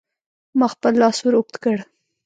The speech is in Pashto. ما خپل لاس ور اوږد کړ.